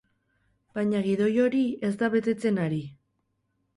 Baina gidoi hori ez da betetzen ari.